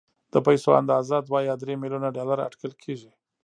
د پيسو اندازه دوه يا درې ميليونه ډالر اټکل کېږي.